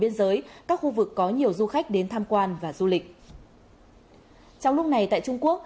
biên giới các khu vực có nhiều du khách đến tham quan và du lịch trong lúc này tại trung quốc